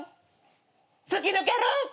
突き抜ける！